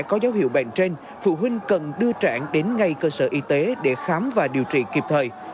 có dấu hiệu bệnh trên phụ huynh cần đưa trẻ đến ngay cơ sở y tế để khám và điều trị kịp thời